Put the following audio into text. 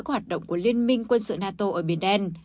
các hoạt động của liên minh quân sự nato ở biển đen